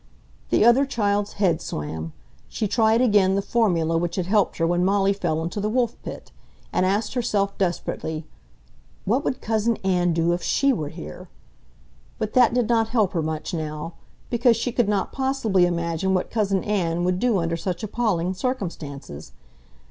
The other child's head swam. She tried again the formula which had helped her when Molly fell into the Wolf Pit, and asked herself, desperately, "What would Cousin Ann do if she were here!" But that did not help her much now, because she could not possibly imagine what Cousin Ann would do under such appalling circumstances.